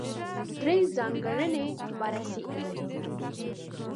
درې ځانګړنې بررسي کوي.